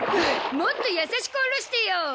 もっと優しく下ろしてよ！